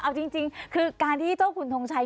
เอาจริงคือการที่เจ้าคุณทงชัย